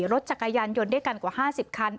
รถจักรยานยนต์ด้วยกันกว่า๕๐คัน